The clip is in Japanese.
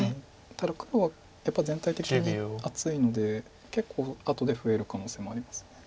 ただ黒はやっぱり全体的に厚いので結構後で増える可能性もあります。